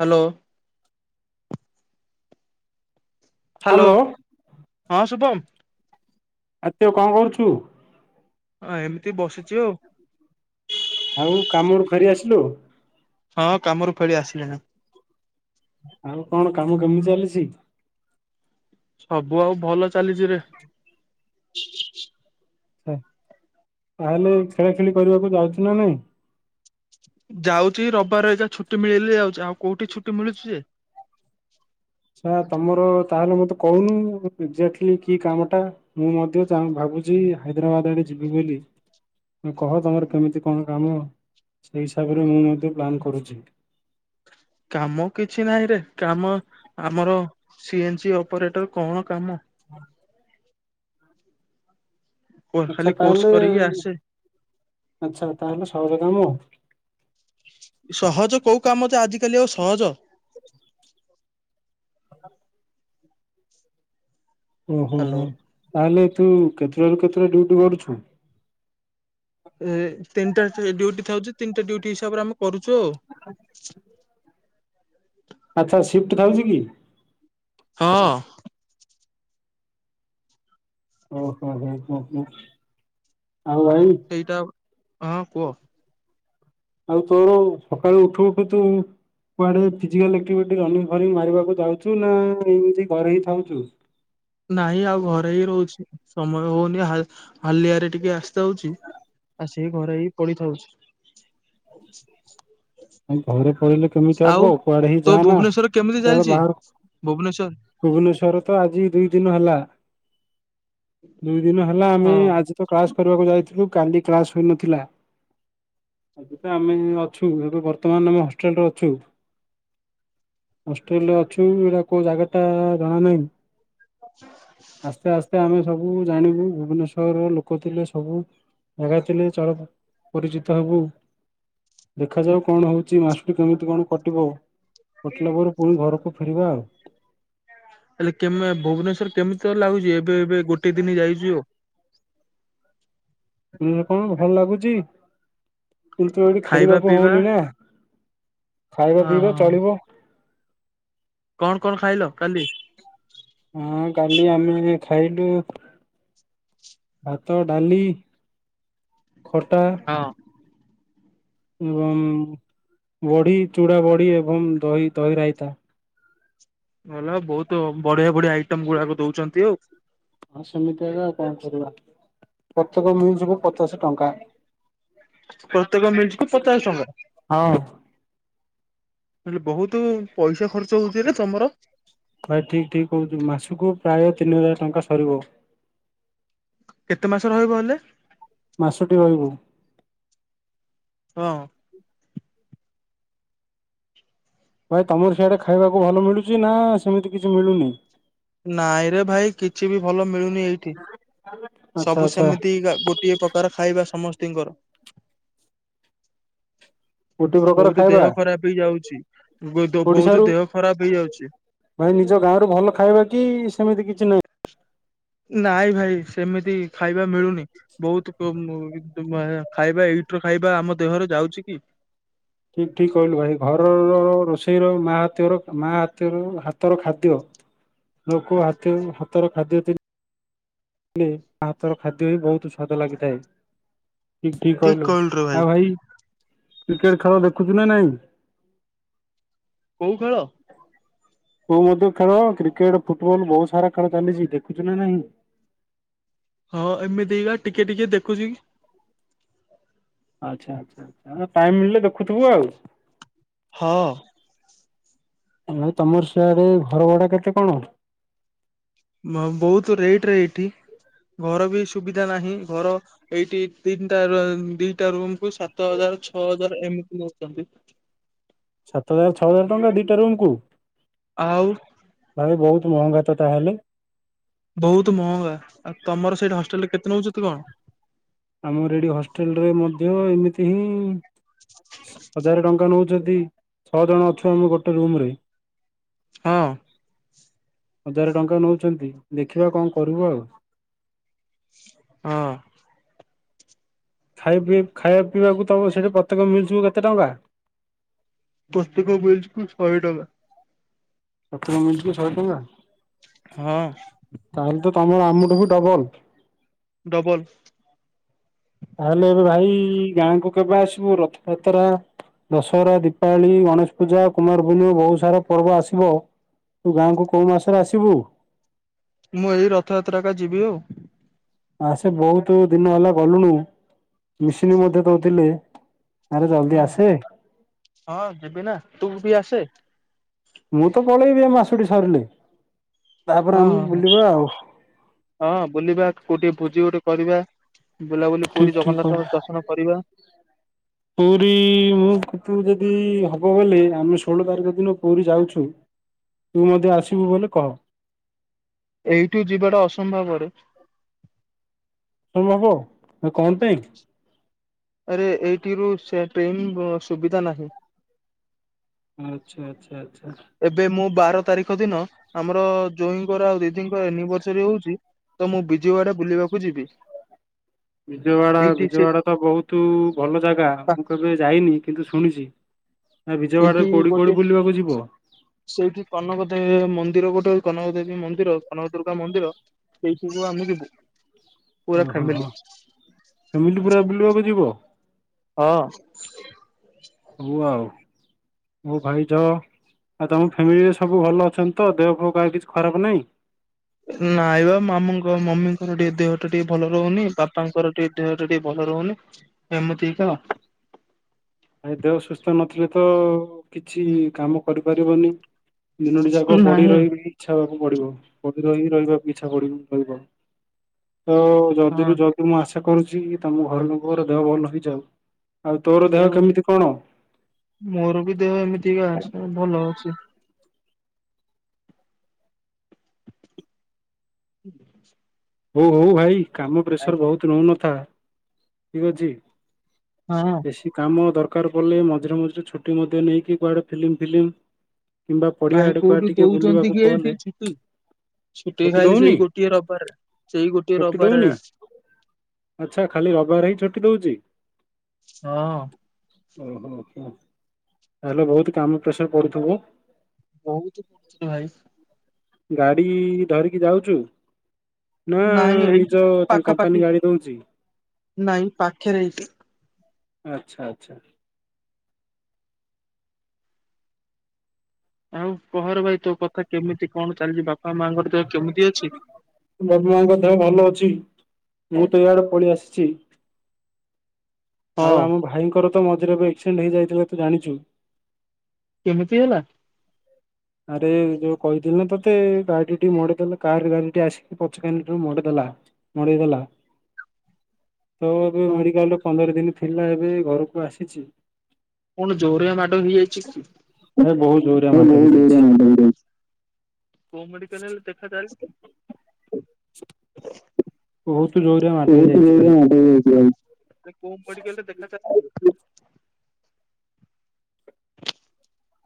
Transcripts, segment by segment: Hello. Hello ହଁ ଶୁଭମ୍। ଆଉ ତୁ କଣ କରୁଛୁ। ହଁ ଏମିତି ବସିଚି ଆଉ। ଆଉ କାମରୁ ଫେରି ଆସିଲୁ। ହଁ କାମରୁ ଫେଳି ଆସିଲିଣି। ଆଉ କଣ କାମ କେମିତି ଚାଲିଚି। ସବୁ ଆଉ ଭଲ ଚାଲିଚି ରେ। ଆଛା ତାହେଲେ ଖେଳା ଖେଳି କରିବାକୁ ଯାଉଚୁ ନା ନାଇଁ। ଯାଉଚି ରବିବାର ଏଜାଏଁ ଛୁଟି ମିଳିଲେ ଯାଉଚି ଆଉ କୋଉଠି ଛୁଟି ମିଳୁଚି ଯେ। ସଳା ତମର ତାହେଲେ ମତେ କହୁନୁ ଏଜାକ୍ଟଲି କି କାମ ଟା। ମୁଁ ମଧ୍ୟ ଚା ଭାବୁଚି ହାଇଦ୍ରାବାଦ ଆଡେ ଯିବି ବୋଲି। କହ ତମର କେମିତି କଣ କାମ ସେଇ ହିସାବରେ ମୁଁ ମଧ୍ୟ ପ୍ଲାନ୍ କରୁଚି। କାମ କିଛି ନାହିଁ ରେ କାମ ଆମର ସିଏନ୍ସି ଅପରେଟର କଣ କାମ। [inaudible] ଆଛା ତାହେଲେ ଆଛା ତାହେଲେ ସହଜ କାମ। ସହଜ କୋଉ କାମ ଜେ ଆଜିକାଲି ଆଉ ସହଜ। ଓହୋ ହୋ ତାହେଲେ ତୁ କେତେଟାରୁୁ କେତେଟା ଡ୍ୟୁଟି କରୁଛୁ। ଏ ତିନିଟା ଡ୍ୟୁଟି ଥାଉଚି ତିନିଟା ଡ୍ୟୁଟି ହିସାବରେ ଆମେ କରୁଚୁ ଆଉ। ଆଚ୍ଛା ସିଫ୍ଟ ଥାଉଛି କି। ହଁ। ଓହୋ ହୋ ହୋ ହୋ ଆଉ ଭାଇ। ସେଇଟା ହଁ କୁହ। ଆଉ ତୋର ସକାଳୁ ଉଠୁ ଉଠୁ ତୁ କୁଆଡେ ଫିଯିକର୍ଲ୍ଲି ଏକ୍ଟିଭିଟୀ ମାରିବାକୁ ଯାଉଚୁ ନା ଏମିତି ଘରେଇ ଥାଉଛୁ। ନହିଁ ଆଉ ଘରେ ହିଁ ରହୁଛି ସମୟ ହଉନି ହାଲିଆରେ ଟିକେ ଆସିଥାାଉଚି। ଆସିକି ଘରେ ହେଇ ପଡିିଥାଉଛି। ଘରେ ପଳିଲେ କେମିତି ହବ କୁଆଡେ ହେଇ ଯା ନା କୁଆଡେ ବାହାରକୁ। ଭୁବନେଶ୍ଵର ତ ଆଜି ଦୁଇ ଦିନ ହେଲା ଦୁଇ ଦିନ ହେଲା ଆମେ ଆଜି ତ କ୍ଲାସ କରିବାକୁ ଯାଇଥିଲୁ କାଲି କ୍ଲାସ ହୋଇନଥିଲା। ଆଜି ତ ଆମେ ଅଛୁ ଏବେ ବର୍ତ୍ତମାନ ଆମ ହଷ୍ଟେଲରେ ଅଛୁ। ହିଷ୍ଟେଲରେ ଅଛୁ ଏଇଟା କୋଉ ଜାଗା ଟା ଜଣା ନାହିଁ ଆସ୍ତେ ଆସ୍ତେ। ଆମେ ସବୁ ଜାଣିବୁ ଭୁବନେଶ୍ଵରରେ ଲୋକ ଥିଲେ ସବୁ ଜାଗା ଥିଲେ ଚଳ ପରିଚିତ ହବୁ ଦେଖାଯାଉ। କଣ ହଉଛି ମାସଟି କେମିତି କଣ କଟିବ କଟିଲା ପରେ ପୁଣି ଘରକୁ ଫେରିବା ଆଉ। ହେଲେ କେ ଭୁବନେଶ୍ଵର କେମିତି ତ ଲାଗୁଚି ଏବେ ଏବେ ଗୋଟେ ଦିନ ଯାଇଚୁ ଆଉ। କଣ ଭଲ ଲାଗୁଚି। କିନ୍ତୁ ଏଇଠି ଖେଳିବାକୁ ହଉନି ନା ଖାଇବା ପିଇବା ଚଳିବ। କଣ କଣ ଖାଇଲ କାଲି। ହଁ କାଲି ଆମେ ଖାଇଲୁ। ଭାତ ଡାଲି ଖଟା। ହଁ। ଏବଂ ବଢି ଚୂଡା ବଢି ଏବଂ ଦହି ଦହି ରାଇତା। ଗଲା ବହୁତ ବଢିଆ ବଢିଆ ଆଇଟମ ଗୁଡାକ ଦଉଛନ୍ତି ଆଉ। ହଁ ସେମିତି ଏବେ ଆଉ କଣ କରିବା ପ୍ରତ୍ୟେକ ମିଲ୍ କୁୁ ପଚାଶ ଟଙ୍କା। ପ୍ରତ୍ୟେକ ମିଲ୍ କୁ ପଚାଶ ଟଙ୍କା। ହଁ ହେଲେ ବହୁତ ପଇସା ଖର୍ଚ୍ଚ ହଉଚିରେ ତମର। ଭାଇ ଠିକ୍ ଠିକ୍ କହୁଚୁ ମାସ କୁ ପ୍ରାୟ ତିନି ହଜାର ଟଙ୍କା ସରିବ। କେତେ ମାସ ରହିବ ହେଲେ। ମାସଟି ରହିବୁ। ହଁ। ଭାଇ ତମର ସିଆଡେ ଖାଇବାକୁ ଭଲ ମିଳୁଚି ନା ସେମିତି କିଛି ମିଳୁନି। ନାଇଁରେ ଭାଇ କିଛି ବି ଭଲ ମିଳୁନି ଏଇଠି ଆଚ୍ଛା ସବୁ ଆଚ୍ଛା ସେମିତି ଗୋଟିଏ ପ୍ର ଦରକାର ଖାଇବା ସମସ୍ତିଙ୍କର। ଗୋଟେ ପ୍ରକାର ବହୁତ ଖାଇବା ଦେହ ଖରାପ ହେଇଯାଉଛି ବହୁତ ଓଡିଶାରୁ ଦେହ ଖରାପ ହେଇଯାଉଛି। ଭାଇ ନିଜ ଗାଁ ରୁ ଭଲ ଖାଇବା କି ସେମିତି କିଛି ନାହିଁ। ନାଇଁ ଭାଇ ସେମିତି ଖାଇବା ମିଳୁନି ବହୁତ ଖାଇବା ଏଇଠୀ ଖାଇବା ଆମ ଦେହରେ ଯାଉଚି କି। ଠିକ୍ ଠିକ୍ କହିଲୁ ଭାଇ ଘରର ରୋଷେଇର ମା ହାତର ମା ହାତ ହାତର ଖାଦ୍ୟ। ଲୋକ ହାତ ହାତର ଖାଦ୍ୟ ହେଲେ ମା ହାତର ଖାଦ୍ୟ ବି ବହୁତ ସ୍ୱାଦ ଲାଗିଥାଏ ଠିକ୍ ଠିକ୍ କହିଲୁ ଆଉ ଭାଇ। କ୍ରିକେଟ୍ ଖେଳ ଦେଖୁଚୁ ନା ନାଇଁ। କୋଉ ଖେଳ। କୋଉ ମଧ୍ୟ ଖେଳ କ୍ରିକେଟ ଫୁଟୁବଲ ବହୁତ ସାରା ଖେଳ ଚାଲିଚି ଦେଖୁଛୁ ନା ନାହି। ହଁ ଏମିତି ବା ଟିକେ ଟିକେ ଦେଖୁଚି। ଆଚ୍ଛା ଆଚ୍ଛା ଆଚ୍ଛା ଟାଇମ୍ ମିଳିଲେ ଦେଖୁଥିବୁ ଆଉ। ହଁ। ଆ ତମର ସିଆଡେ ଘର ଭଡା କେତେ କଣ। ବହୁତ ରେଟ ରେ ଏଇଠି ଘର ବି ସୁବିଧା ନାହିଁ ଘର ଏଇଠି ତିନିଟା ଦିଟା ରୁମ କୁ ସାତ ହଜାର, ଛଅ ହଜାର ଏମିତି ନଉଛନ୍ତି। ସାତ ହଜାର ଛଅ ହଜାର ଟଙ୍କା ଦିଟା ରୁମ୍ କୁ। ଆଉ। ଭାଇ ବହୁତ ମହଙ୍ଗା ତ ତାହେଲେ। ବହୁତ ମହଙ୍ଗା ଆଉ ତମର ସେଇଠୀ ହଷ୍ଟେଲରେ କେତେ ନେଉଛନ୍ତି ତ କଣ। ଆମର ଏଠି ହଷ୍ଟେଲରେ ମଧ୍ୟ ଏମିତି ହିଁ ହଜାର ଟଙ୍କା ନଉ ଯଦି ଛଅ ଜଣ ଅଛୁ ଆମେ ଗୋଟେ ରୁମ ରେ। ହଁ। ହଜାର ଟଙ୍କା ନେଉଛନ୍ତି ଦେଖିବା କଣ କରିବୁ ଆଉ। ହଁ। ଖାଇପିଇ ଖାଇବା ପିଇବାକୁ ତମ ସେଠି ପ୍ରତ୍ୟେକ ମିଲ୍ ସବୁ କେତେ ଟଙ୍କା। ପ୍ରତେକ ମିଲକୁ ଶହେ ଟଙ୍କା। ପ୍ରତେକ ମିଲକୁ ଶହେ ଟଙ୍କା। ହଁ। ତାହେଲେ ତମର ଆମୁଠୁ ବି ଡବଲ। ଡବଲ। ତାହେଲେ ଏବେ ଭାଇ ଗାଁକୁ କେବେ ଆସିବୁ ରଥଯାତ୍ରା ଦଶହରା ଦୀପାବଳି ଗଣେଶ ପୂଜା କୁମାରପୂର୍ଣ୍ଣିମା ବହୁତ ସାରା ପର୍ବ ଆସିବ। ତୁ ଗାଁକୁ କେଉଁ ମାସରେ ଆସିବୁ। ମୁଁ ଏଇ ରଥଯାତ୍ରା କା ଯିବି ଆଉ। ଆ ସେ ବହୁତୁ ଦିନ ହେଲା ଗଲୁଣୁ ମିସିନି ମଧ୍ୟ ଦଉଥିଲେ। ଆରେ ଜଲ୍ଦି ଆସେ। ହଁ ଯିବି ନା ତୁ ବି ଆସେ। ମୁଁ ତ ପଳେଇବି ଏ ମାସୁଟି ସରିଲେ ତାପରେ ଆମେ ବୁଲିବା ଆଉ। ହଁ ବୁଲିବା କୋଉଠି ଭୋଜି ଗୋଟେ କରିବା ବୁଲାବୁଲି ଠିକ୍ ଠିକ୍। [unintelligible] ପୁରୀ ମୁଁକ୍ ତୁ ଯଦି ହବ ବଲେ ଆମେ ଷୋହଳ ତାରିଖ ଦିନ ପୁରୀ ଯାଉଛୁ। ତୁ ମଧ୍ୟ ଆସିବୁ ବୋଲି କହ। ଏଇଠୁ ଯିବାଟା ଅସମ୍ଭବରେ। [unintelligible] କଣ ପାଇଁ? ଆରେ ଏଇଠି ରୁ ସେ ଟ୍ରେନ ବ ସୁବିଧା ନାହିଁ। ଆଚ୍ଛା ଆଚ୍ଛା ଆଚ୍ଛା। ଏବେ ମୁଁ ବାର ତାରିଖ ଦିନ ଆମର ଜଇଁଙ୍କର ଆଉ ଦିଦିଙ୍କ ଆନିଭର୍ସରୀ ହଉଛି। ତ ମୁଁ ବିଯେଗଡ଼ା ବୁଲିବାକୁ ଯିବି। ବିଜୱଡ଼ା ବିଜୱଡ଼ା ତ ବହୁତୁ ଭଲ ଜାଗା ମୁଁ କେବେ ଯାଇନି କିନ୍ତୁ ଶୁଣିଛି। ଆ ବିଜୟୱାଡାରେ ସେଇଠି କୋଉଠି କୋଉଠି ଗୋଟେ ବୁଲିବାକୁ ଯିବ ସେଇଠି କନକ ଦେ ମନ୍ଦିର ଗୋଟେ କନକ ଦେବୀ ମନ୍ଦିର କନକ ଦୁର୍ଗା ମନ୍ଦିର ସେଇଠୁ ଆମେ ଯିବୁ। ଓହୋ ହୋ ଫ୍ୟାମିଲି ପୁରା ବୁଲିବାକୁ ଯିବ? ହଁ। [unintelligible] ମୋ ଭାଇଟା ଆଉ ତମ ଫ୍ୟାମିଲିରେ ସବୁ ଭଲ ଅଛନ୍ତି ତ ଦେହ ଫ କାହାର କିଛି ଖରାପ ନାହିଁ। ନାଇ ବା ମାମୁଙ୍କ ମମିଙ୍କର ଟିକେ ଦେହଟା ଟିକେ ଭଲ ରହୁନି ବାପାଙ୍କର ଟିକେ ଦେହ ଟା ଟିକେ ଭଲ ରହୁନି। ଏମିତିକ। ଭାଇ ଦେହ ସୁସ୍ଥ ନଥିଲେ ତ କିଛି କାମ କରିପାରିବନି। ଦିନଟି ଯାକ ପଡି ରହିବି। ଇଚ୍ଛା ହବାକୁ ପଡିବ ପ ରହିକି ରହିବାକୁ ଇଚ୍ଛା ପରି ରହିବ ତ ଯଦିରୁୁ ଯଦି ମୁଁ ଆଶା କରୁଛି କି ତମ ଘର ଲୋକର ଦେହ ଭଲ ହେଇଯାଉ ଆଉ ତୋର ଦେହ କେମିତି କଣ? ମୋର ବି ଦେହ ଏମିତିକା ଅଛି, ଭଲ ଅଛି। [unintelligible] ହଉ ହଉ ଭାଇ କାମ ପ୍ରେସର ବହୁତୁ ନଉନଥା ଠିକ ଅଛି। ହଁ। ବେଶି କାମ ଦରକାର ପଡ଼ିଲେ ମଝିରେ ମଝିରେ ଛୁଟି ମଧ୍ୟ ନେଇକି କୁଆଡ଼େ ଫିଲ୍ମ ଫିଲ୍ମ କିମ୍ବା ପଡିଆ ଆଡକୁ ଆ ଟିକେ ବୁଲିବାକୁ କହଲେ। ଛୁଟି ଖାଇଲି ସେଇ ଗୋଟିଏ ରବିବାରରେ ସେଇ ଗୋଟିଏ ଛୁଟି ରବିବାରେ ଦଉନି? ଆଚ୍ଛା ଖାଲି ରବିବାରେ ହିଁ ଛୁଟି ଦଉଛି। ଓହୋ ହୋ ଆଚ୍ଛା ତାହେଲେ ବହୁତ କାମ ପ୍ରେସର ପଡୁଥିବ। ବହୁତୁ ପଢୁଥିଲୁ ଭାଇ। ଗାଡି ଧରିକି ଯାଉଛୁ। ନା ନିଜ ତା କମ୍ପାନୀ ଗାଡି ଦଉଛି? ନାଇଁ ପାଖେରେ ଏଇଠି। ଆଚ୍ଛା ଆଚ୍ଛା। ଆଉ କହରେ ଭାଇ ତୋ କଥା କେମିତି କଣ ଚାଲିଛି ବାପା ମାଆଙ୍କର ଦେହ କେମିତି ଅଛି? ବାପା ମାଙ୍କ ଦେହ ଭଲ ଅଛି, ମୁଁ ତ ଇଆଡେ ପଳେଇ ଆସିଛି। ଆଉ ଆମ ଭାଇଙ୍କର ତ ମଝିରେ ଏବେ ଏକ୍ସିଡେଣ୍ଟ୍ ହେଇଯାଇଥିଲା ତୁ ଜାଣିଛୁ। କେମିତି ହେଲା? ଆରେ ଯୋଉ କହିଥିଲି ନା ତତେ ଗାଡି ଟେ ମାଡିଦେଲା କାରରେ ଏମିତି ଆସିକି ପଛ କୁ ମଡିଦେଲା। ମାଡିଦେଲା। ତ ଏବେ ମେଡିକାଲରେ ପନ୍ଦର ଦିନ ଥିଲା ଏବେ ଘରକୁ ଆସିଛି। କଣ ଜୋରିଆ ମାଡ଼ ହେଇଯାଇଚି କି? ଭାଇ ବହୁତ ଜୋରିଆ ମାଡ ହେଇଯାଇଛି [unintelligible] କୋଉ ମେଡିକାଲ ରେ ଦେଖାଚାଲିଚି କି? ବହୁତ ଜୋରିଆ ମାଡ ହେଇଯାଇଛି ଭାଇ [inaudible] ଆରେ କୋଉ ମେଡିକାଲରେ ଦେଖା [inaudible]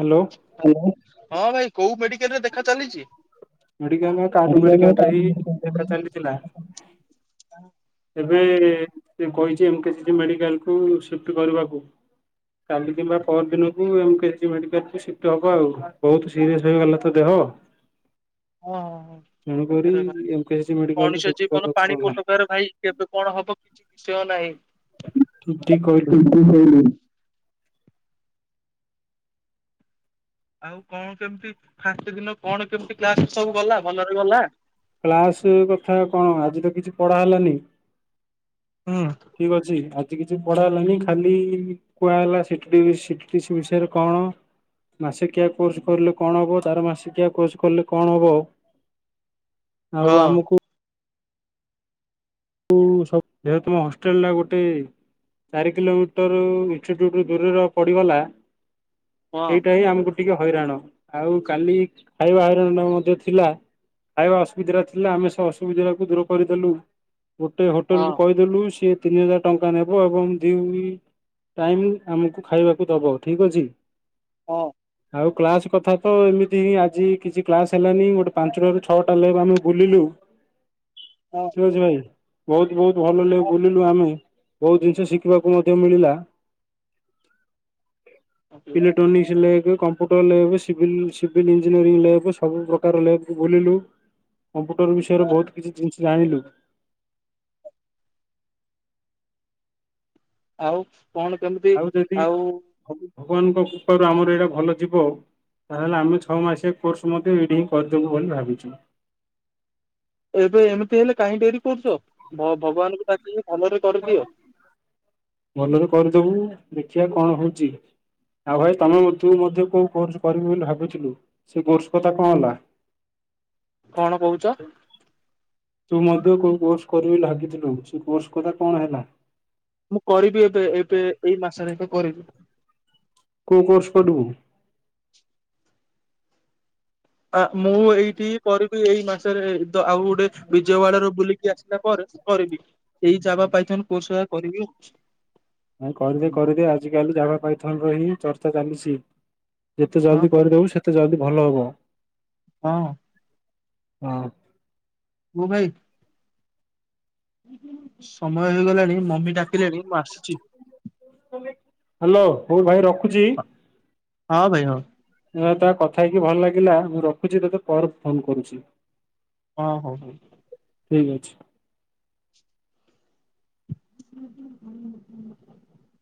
ହାଲୋ ହଁ ଭାଇ କୋଉ ମେଡିକାଲରେ ଦେଖା ଚାଲିଚି? ମେଡିକାଲରେ କାହାଠୁ ମେଡିକାଲରେ ହି ଦେଖା ଚାଲିଥିଲା। ଏବେ କହିଚି ଏମ୍କେସି ମେଡିକାଲକୁ ସିଫ୍ଟ କରିବାକୁ କାଲି କିମ୍ବା ପରଦିନକୁ ଏମକେସି ମେଡିକାଲକୁ ସିଫ୍ଟ ହବ ଆଉ ବହୁତ ସିରିୟସ୍ ହେଇଗଲା ତ ଦେହ ତେଣୁକରି ଏମକେସି ମେଡିକାଲକୁ ସିଫ୍ଟ କରିବାକୁ ପଡିଲା। କେବେ କଣ ହବ କିଛି ବିଷୟ ନାହିଁ। ଠିକ୍‌ କହିଲୁ [unintelligible] ଆଉ କଣ କେମିତି ଫାଷ୍ଟ ଦିନ କଣ କେମତି କ୍ଲାସ ସବୁ ଗଲା ଭଲରେ ଗଲା। କ୍ଲାସେ କଥା କଣ ଆଜି ତ କିଛି ପଢ଼ା ହେଲାନି। ହୁଁ। ଠିକ୍ ଅଛି ଆଜି କିଛି ପଢା ହେଲାନି ଖାଲି କୁହାହେଲା ସିଟ୍ପି ସିଟପିସି ବିଷୟରେ କଣ ମାସିକିଆ କୋର୍ସ କରିଲେ କଣ ହେବ ତାର ମାସିକିଆ କୋର୍ସ କଲେ କଣ ହବ। ଆଉ ଆମୁକୁ ଟୁ ସବୁ ଯେହେତୁ ମୋ ହଷ୍ଟେଲଟା ଗୋଟେ ଚାରି କିଲୋମିଟରୁ ଇଞ୍ଚଟୁ ଦୂରରେ ପଡିଗଲା ସେଇଟା ହିଁ ଆମୁକୁ ଟିକେ ହଇରାଣ ଆଉ କାଲି ଖାଇବା ହଇରାଣ ଟା ମଧ୍ୟ ଥିଲା। ଖାଇବା ଅସୁବିଧାରେ ଥିଲା ଆମେ ସେ ଅସୁବିଧାଟାକୁ ଦୂର କରିଦେଲୁ। ଗୋଟେ ହୋଟେଲ କୁ କହିଦେଲୁ ସିଏ ତିନିହଜାର ଟଙ୍କା ନେବ ଏବଂ ଦିଉଳି ଟାଇମ୍ ଆମକୁ ଖାଇବାକୁ ଦବ ଠିକ୍ ଅଛି ହଁ ଆଉ କ୍ଲାସ କଥା ତ ଏମିତି ହିଁ ଆଜି କିଛି କ୍ଲାସ ହେଲାନି ଗୋଟେ ପାଞ୍ଚଟାରୁ ଛଅଟାଲେ ଆମେ ବୁଲିଲୁ ହଁ ବୁଝିପାଇଲୁ ବହୁତ ବହୁତ ଭଲଲେ ବୁଲିଲୁ ଆମେ ବହୁତ ଜିନିଷ ଶିଖିବାକୁ ମଧ୍ୟ ମିଳିଲା। ଇଲେକ୍ଟ୍ରୋନିକସ ଲେଗେ କ ହୋଟଲରେ ଏବେ ସିଭିଲ୍ ସିଭିଲ୍ ଇଞ୍ଜିନିଅରିଂ ଲେବ ସବୁ ପ୍ରକାର ଲେବକୁ ବୁଲିଲୁ। କମ୍ପୁଟର ବିଷୟରେ ବହୁତ କିଛି ଜିନିଷ ଜାଣିଲୁ। ଆଉ କଣ କେମତି ଆଉ ଯଦି ଭଗ ଭଗବାନଙ୍କ କୃପାରୁ ଆମର ଏଇରା ଭଲ ଯିବ ତାହେଲେ ଆମେ ଛଅ ମାସିଆ କୋର୍ସ ମଧ୍ୟ ଏଇଡି ହିଁ କରିଦେବୁ ବୋଲି ଭାବିଚୁ। ଏବେ ଏମିତି ହେଲେ କାହିଁ ଡେରି କରୁଚ ଭ ଭଗବାନଙ୍କୁ ଡାକିଲେ ଭଲରେ ଭଲରେ କରିଦବୁ ଦେଖିବା କଣ ହଉଛି ଆଉ ଭାଇ ତମେ ମଧୁ ତୁ ମଧ୍ୟ କୋଉ କୋର୍ସ କରିବୁ ବୋଲି ଭାବିଥିଲୁ ସେଇ କୋର୍ସ କଥା କଆଁ ହେଲା। କଣ କଉଚ ତୁ ମଧ୍ୟ କୋଉ କୋର୍ସ କରିବୁ ବୋଲି ଭାବିଥିଲୁ ସେ କୋର୍ସ କଥା କଣ ହେଲା। ମୁଁ କରିବି ଏବେ ଏବେ ଏଇ ମାସରେ ହିଁ କରିବି। କୋଉ କୋର୍ସ ପଡିବୁ ଆ ମୁଁ ଏଇଠି କରିବି ଏଇ ମାସରେ ଆଉ ଗୋଟେ ବିଜୟୱାଡାରୁ ବୁଲିକି ଆସିଲା ପରେ କରିବି ଏଇ ଯାବା ପାଇଥନ କୋର୍ସଗୁରା କରିବି ଆଉ ନାଇଁ କରିଦେ କରିଦେ ଆଜିିକାଲି ଜାଦ୍ଭା ପାଇଥନ ର ହିଁ ଚର୍ଚ୍ଚା ଚାଲିଛି। ଯେତେ ଜଲଦି କରିଦେବୁ ସେତେ ଜଲଦି ଭଲ ହବ। ହଁ ହଁ। ମୁ ଭାଇ। ସମୟ ହେଇଗଲାଣି ମମି ଡାକିଲେଣି ମୁଁ ଆସୁଚି। ହ୍ୟାଲୋ ମୁଁ ଭାଇ ରଖୁଚି। ହଁ ଭାଇ ହଁ। ଭାଇ ତା କଥା ହେଇକି ଭଲ୍‌ ଲାଗିଲା ମୁଁ ରଖୁଛି ତତେ ପରେ ଫୋନ କରୁଛି। ଓଁ ହୋ ହଉ। ଠିକ ଅଛି। [unintelligible]